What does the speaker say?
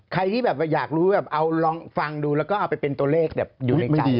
ใครที่แบบอยากรู้แบบเอาลองฟังดูแล้วก็เอาไปเป็นตัวเลขแบบอยู่ในใจ